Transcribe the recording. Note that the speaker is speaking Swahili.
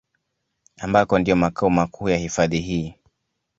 Ambako ndiyo makao makuu ya hifadhi hii